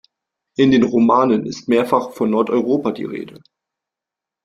In den Romanen ist mehrfach von Nordeuropa die Rede.